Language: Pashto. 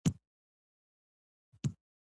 استاد هجرت الله اختیار د «اعتراف» لړۍ پېل کړې.